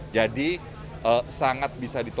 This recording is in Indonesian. jadi sangat bisa ditolerir